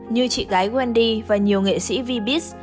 như chị gái wendy và nhiều nghệ sĩ v biz